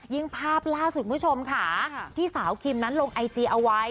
ภาพล่าสุดคุณผู้ชมค่ะที่สาวคิมนั้นลงไอจีเอาไว้